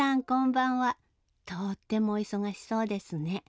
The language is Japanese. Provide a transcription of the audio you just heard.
こんばんはとってもお忙しそうですね。